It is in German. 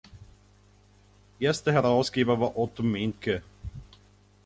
Erster Herausgeber war Otto Mencke.